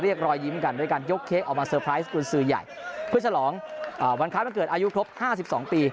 อยู่ครบห้าสิบสองปี